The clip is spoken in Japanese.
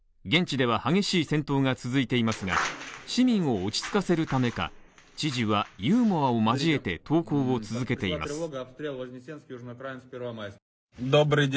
現地では激しい戦闘が続いていますが市民を落ち着かせるためか、知事はユーモアを交えて投稿を続けています。